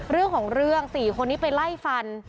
เรื่องของเรื่อง๔คนนี้ไปไล่ฟัน